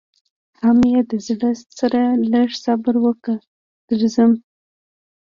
حم ای د زړه سره لږ صبر وکه درځم.